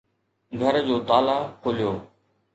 گهر جو تالا کوليو